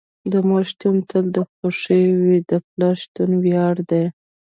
د مور شتون تل خوښې وي، د پلار شتون وياړ دي.